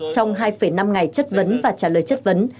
trong hai năm ngày chất vấn và trả lời chất vấn